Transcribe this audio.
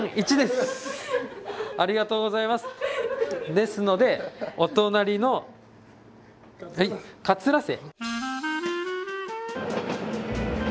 ですのでお隣の桂瀬。